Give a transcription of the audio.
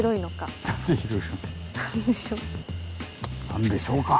何でしょうか。